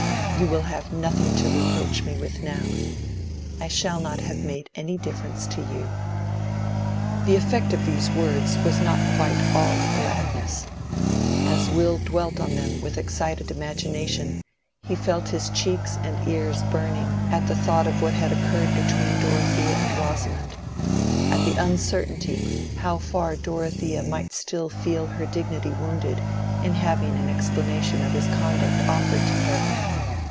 You will have nothing to reproach me with now. I shall not have made any difference to you." The effect of these words was not quite all gladness. As Will dwelt on them with excited imagination, he felt his cheeks and ears burning at the thought of what had occurred between Dorothea and Rosamond—at the uncertainty how far Dorothea might still feel her dignity wounded in having an explanation of his conduct offered to her.